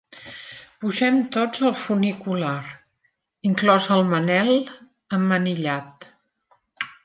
Pugem tots al funicular, inclòs el Manel emmanillat.